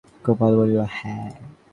গোপাল বলিল, হ্যাঁ।